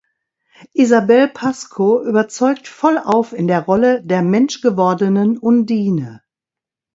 Isabelle Pasco überzeugt vollauf in der Rolle der Mensch gewordenen Undine.